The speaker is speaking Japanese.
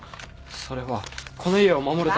それはこの家を守るために。